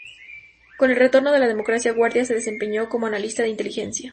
Con el retorno a la democracia, Guardia se desempeñó como analista de inteligencia.